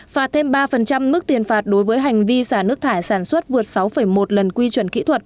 phạt thêm ba mức tiền phạt đối với hành vi xả nước thải sản xuất vượt sáu một lần